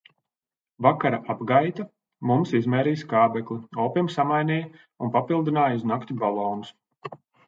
Vakara apgaita, mums izmērīja skābekli, opim samainīja un papildināja uz nakti balonus.